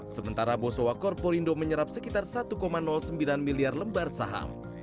sementara bosowa korporindo menyerap sekitar satu sembilan miliar lembar saham